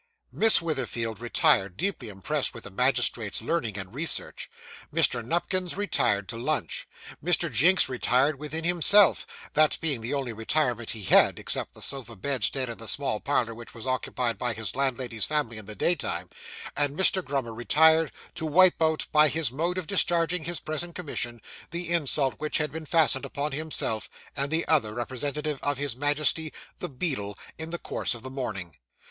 Miss Witherfield retired, deeply impressed with the magistrate's learning and research; Mr. Nupkins retired to lunch; Mr. Jinks retired within himself that being the only retirement he had, except the sofa bedstead in the small parlour which was occupied by his landlady's family in the daytime and Mr. Grummer retired, to wipe out, by his mode of discharging his present commission, the insult which had been fastened upon himself, and the other representative of his Majesty the beadle in the course of the morning.